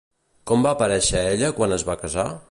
Com va aparèixer ella quan es va casar?